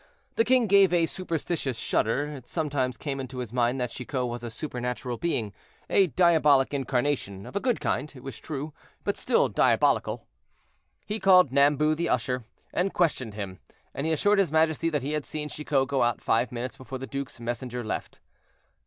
The king gave a superstitious shudder; it sometimes came into his mind that Chicot was a supernatural being—a diabolic incarnation, of a good kind, it was true, but still diabolical. He called Nambu the usher, and questioned him, and he assured his majesty that he had seen Chicot go out five minutes before the duke's messenger left.